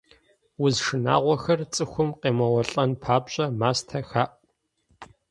Уз шынагъуэхэр цӀыхум къемыуэлӀэн папщӀэ, мастэ хаӏу.